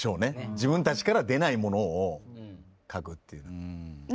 自分たちからは出ないものを書くっていう。